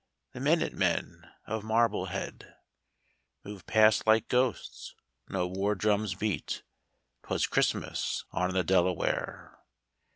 The Minute Men of Marblehead, Move past like ghosts — no war drums beat — 'Twas Christmas on the Delaware.